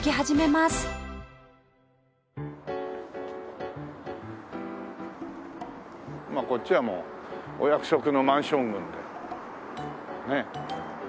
まあこっちはもうお約束のマンション群でねえ。